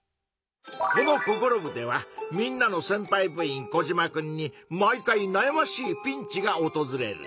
この「ココロ部！」ではみんなのせんぱい部員コジマくんに毎回なやましいピンチがおとずれる。